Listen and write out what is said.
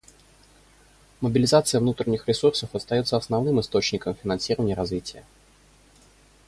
Мобилизация внутренних ресурсов остается основным источником финансирования развития.